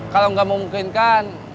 kalau gak memungkinkan